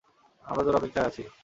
আমরা তোর অপেক্ষায় আছি।